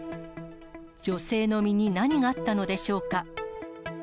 女性の身に何があったのでしょうか。